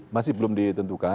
masih belum ditentukan